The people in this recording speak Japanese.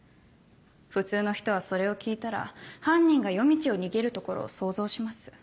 普通の人はそれを聞いたら犯人が夜道を逃げるところを想像します。